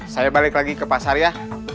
saya balik lagi ke pasar ya